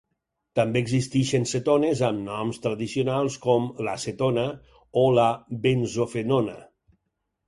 També existeixen cetones amb noms tradicionals com l'acetona o la benzofenona.